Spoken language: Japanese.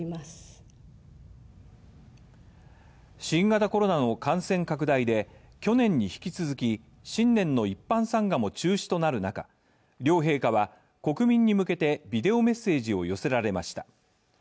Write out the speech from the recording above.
新型コロナの感染拡大で去年に引き続き新年の一般参賀も中止となる中、両陛下は国民に向けてビデオメッセージを寄せられました。